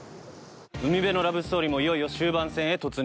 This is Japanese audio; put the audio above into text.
海辺のラブストーリーもいよいよ終盤戦へ突入。